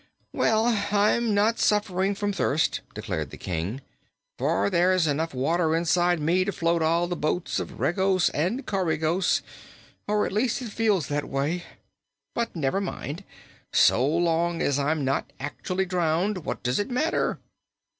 "Well, I'm not suffering from thirst," declared the King, "for there's enough water inside me to float all the boats of Regos and Coregos or at least it feels that way. But never mind! So long as I'm not actually drowned, what does it matter?"